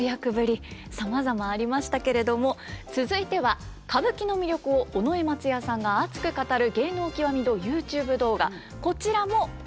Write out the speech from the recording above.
さまざまありましたけれども続いては歌舞伎の魅力を尾上松也さんが熱く語る「芸能きわみ堂」ＹｏｕＴｕｂｅ動画こちらも今回は動物特集です。